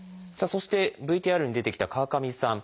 そしてＶＴＲに出てきた川上さん。